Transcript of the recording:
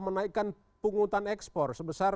menaikkan penghutang ekspor sebesar